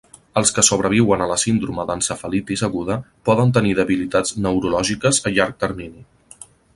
Els que sobreviuen a la síndrome d'encefalitis aguda poden tenir debilitats neurològiques a llarg termini.